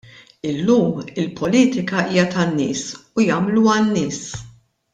Illum il-politika hija tan-nies u jagħmluha n-nies.